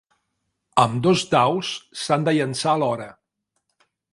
Ambdós daus s'han de llançar alhora.